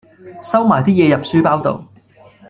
收埋啲嘢入書包度